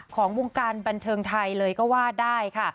ของวงการบันเทิงไทยเลยก็ว่าได้ค่ะ